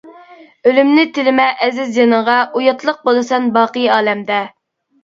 ئۆلۈمنى تىلىمە ئەزىز جېنىڭغا، ئۇياتلىق بولىسەن باقىي ئالەمدە.